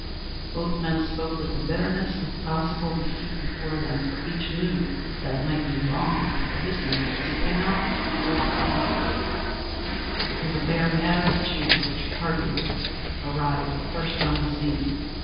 Both men spoke with the bitterness of possible defeat before them, for each knew that it might be long before his men would seek him out or find him; it was a bare matter of chance which party would arrive first on the scene.